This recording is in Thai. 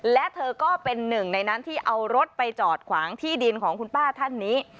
และเธอก็เป็นหนึ่งในนั้นที่เอารถไปจอดขวางที่ดินของคุณป้าท่านนี้